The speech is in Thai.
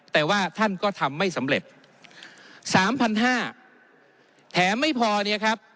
แต่ว่าท่านก็ทำไม่สำเร็จสามพันห้าแถมไม่พอเนี่ยครับ